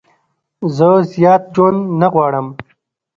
زه زیات ژوند نه غواړم.